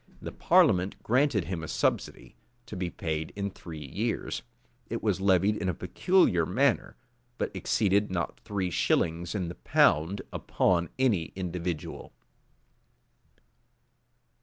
The parliament granted him a subsidy, to be paid in three years; it was levied in a peculiar manner; but exceeded not three shillings in the pound upon any individual.